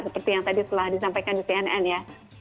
seperti yang tadi telah disampaikan di cnn ya